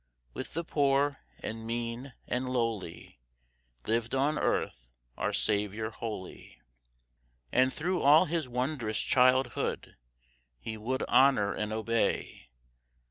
With the poor, and mean, and lowly Lived on earth our Saviour holy. And through all His wondrous childhood, He would honour and obey.